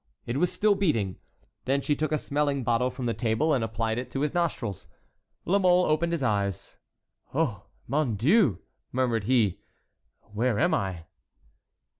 It was still beating. Then she took a smelling bottle from the table, and applied it to his nostrils. La Mole opened his eyes. "Oh! mon Dieu!" murmured he; "where am I?"